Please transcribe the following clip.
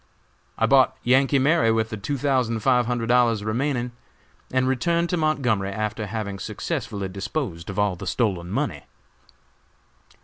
I bought "Yankee Mary" with the two thousand five hundred dollars remaining, and returned to Montgomery, after having successfully disposed of all the stolen money.